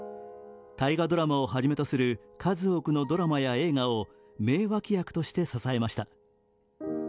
大河ドラマをはじめとする数多くのドラマや映画を名脇役として支えました。